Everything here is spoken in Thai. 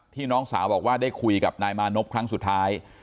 น้องสาวบอกว่าได้คุยกับนายมานพครั้งสุดท้าย